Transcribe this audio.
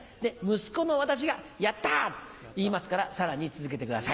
息子の私が「やった」と言いますからさらに続けてください。